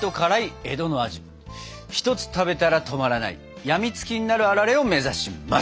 １つ食べたら止まらない病みつきになるあられを目指します。